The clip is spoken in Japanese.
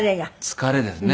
疲れですね。